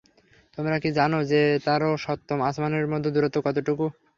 তোমরা কি জান যে, তার ও সপ্তম আসমানের মধ্যে দূরত্ব কতটুকু?